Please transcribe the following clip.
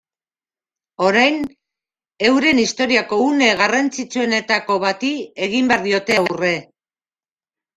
Orain, euren historiako une garrantzitsuenetako bati egin behar diote aurre.